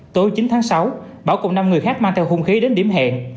tối chín tháng sáu bảo cùng năm người khác mang theo hung khí đến điểm hẹn